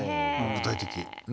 具体的。